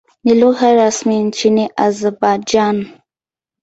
Ni lugha rasmi nchini Azerbaijan.